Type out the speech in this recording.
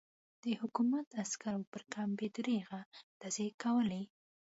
د حکومت عسکرو پر کمپ بې دریغه ډزې کولې.